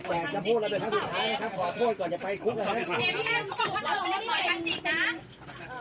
แกจะพูดแล้วเป็นครั้งสุดท้ายนะครับขอโทษก่อนจะไปคุกแล้วนะครับ